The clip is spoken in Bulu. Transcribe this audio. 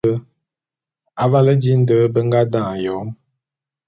Avale di nde be nga dane Yom.